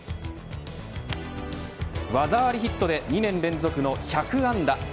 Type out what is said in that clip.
技ありヒットで２年連続の１００安打。